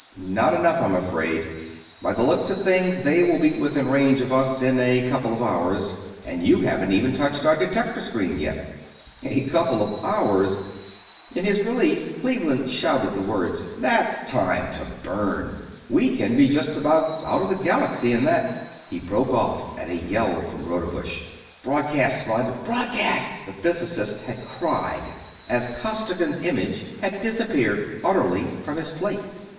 "Not enough, I'm afraid. By the looks of things they will be within range of us in a couple of hours, and you haven't even touched our detector screen yet." "A couple of hours!" In his relief Cleveland shouted the words. "That's time to burn we can be just about out of the Galaxy in that...." He broke off at a yell from Rodebush. "Broadcast, Spud, BROADCAST!" the physicist had cried, as Costigan's image had disappeared utterly from his plate.